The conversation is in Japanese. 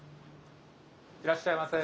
いらっしゃいませ。